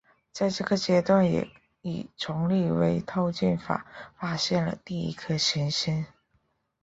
在这个阶段也以重力微透镜法发现了第一颗行星。